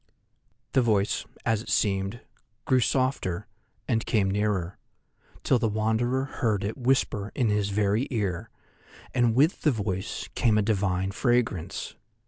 The voice, as it seemed, grew softer and came nearer, till the Wanderer heard it whisper in his very ear, and with the voice came a divine fragrance.